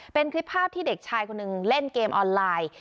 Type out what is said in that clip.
เป็นคลิปภาพที่เด็กชายคนหนึ่งเล่นเกมออนไลน์